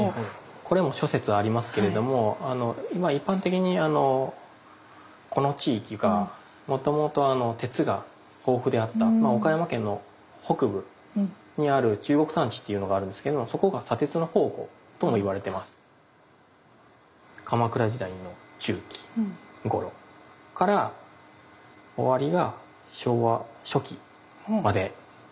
これも諸説ありますけれども一般的にこの地域がもともと鉄が豊富であった岡山県の北部にある中国山地っていうのがあるんですけどそこが鎌倉時代の中期ごろから終わりが昭和初期までなんです。